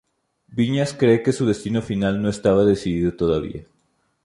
Viñas cree que su destino final no estaba decidido todavía.